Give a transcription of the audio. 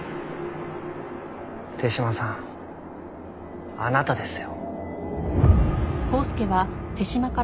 手嶌さんあなたですよ。